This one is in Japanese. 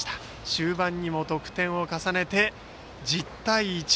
終盤にも得点を重ねて１０対１。